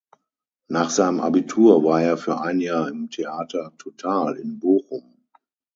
Nach seinem Abitur war er für ein Jahr im Theater Total in Bochum.